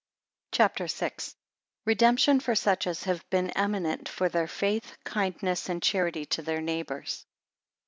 CHAPTER VI. 1 Redemption for such as have been eminent for their faith, kindness, and charity to their neighbours.